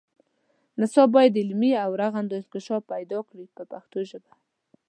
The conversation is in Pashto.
نصاب باید علمي او رغنده انکشاف پیدا کړي په پښتو ژبه.